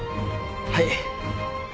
はい。